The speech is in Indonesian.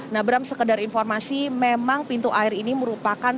nah bram sekedar informasi memang pintu air ini merupakan